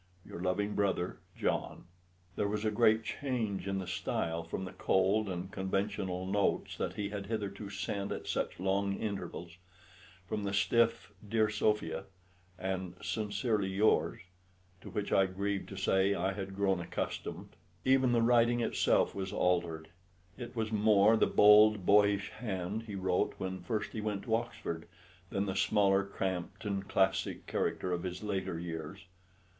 "Your loving brother, "JOHN." There was a great change in the style, from the cold and conventional notes that he had hitherto sent at such long intervals; from the stiff "Dear Sophia" and "Sincerely yours" to which, I grieve to say, I had grown accustomed. Even the writing itself was altered. It was more the bold boyish hand he wrote when first he went to Oxford, than the smaller cramped and classic character of his later years.